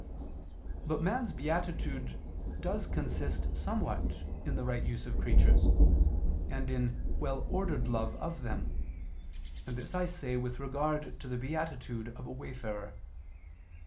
But man's beatitude does consist somewhat in the right use of creatures, and in well ordered love of them: and this I say with regard to the beatitude of a wayfarer.